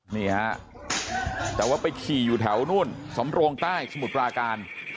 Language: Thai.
นี่ฮะแต่ว่าไปขี่อยู่แถวนู่นสำโรงใต้สมุทรปราการ